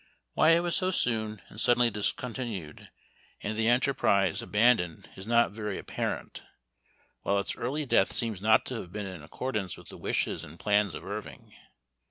Why it was so soon and, suddenly discontinued, and the enterprise Memoir of Washington Irving. 45 abandoned, is not very apparent, while its early death seems not to have been in accordance with the wishes and plans of Irving.